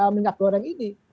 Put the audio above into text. minyak goreng ini